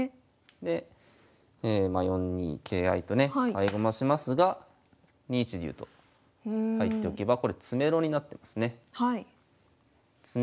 で４二桂合とね合駒しますが２一竜と入っておけばこれ詰めろになってますね。